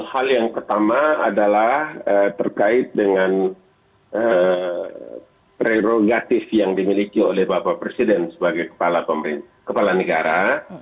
hal yang pertama adalah terkait dengan prerogatif yang dimiliki oleh bapak presiden sebagai kepala negara